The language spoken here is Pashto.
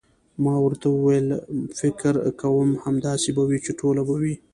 ما ورته وویل: فکر کوم، همداسې به وي، چې ټوله به وي.